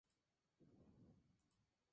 Ambas canciones fueron combinadas en una sola.